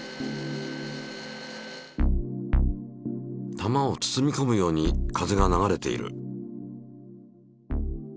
球を包みこむように風が流れている。